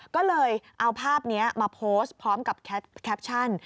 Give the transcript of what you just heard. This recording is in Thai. ก็เลยเอาภาพนี้มาโพสต์พร้อมกับแคปชั่น